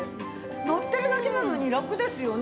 のってるだけなのにラクですよね。